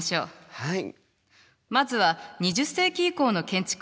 はい。